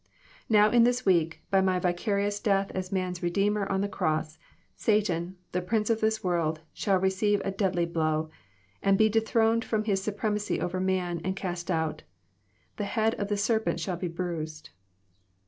" Now in this week, by my vicarious death as man's Redeemer on the cross, Satan, the Prince of this world, shall receive a deadly blow, and be dethroned fk'om his supremacy over man, and cast out. The head of the serpent shall be bruised."